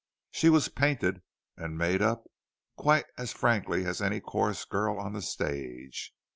She was painted and made up quite as frankly as any chorus girl on the stage.